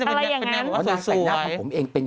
ถ้ากับนักของผมเองมาทำได้ครับ